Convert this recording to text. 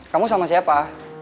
kamu sama siapa